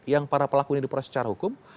yang para pelaku ini diproses secara hukum